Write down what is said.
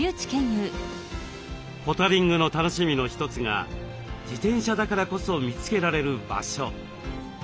ポタリングの楽しみの一つが自転車だからこそ見つけられる場所。